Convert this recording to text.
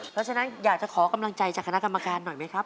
เพราะฉะนั้นอยากจะขอกำลังใจจากคณะกรรมการหน่อยไหมครับ